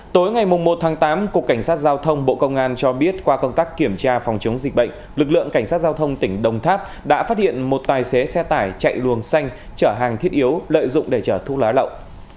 tối ngày một tháng tám cục cảnh sát giao thông bộ công an cho biết qua công tác kiểm tra phòng chống dịch bệnh lực lượng cảnh sát giao thông tỉnh đồng tháp đã phát hiện một tài xế xe tải chạy luồng xanh chở hàng thiết yếu lợi dụng để chở thuốc lá lậu